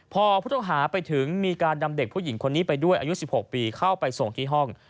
พอผู้ต้องหาไปถึงมีการนำเด็กผู้หญิงคนนี้ไปด้วยอายุ๑๖ปีเข้าไปส่งที่ห้อง